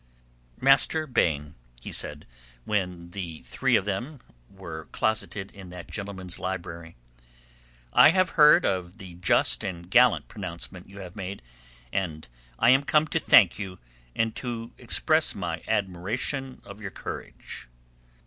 "Master Baine," he said, when the three of them were closeted in that gentleman's library, "I have heard of the just and gallant pronouncement you have made, and I am come to thank you and to express my admiration of your courage."